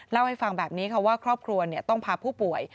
เล่าให้ฟังแบบนี้ค่ะว่าครอบครัวต้องพาผู้ป่วย